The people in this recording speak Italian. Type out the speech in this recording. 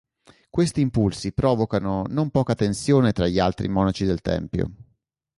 Questi impulsi provocano non poca tensione tra gli altri monaci del tempio.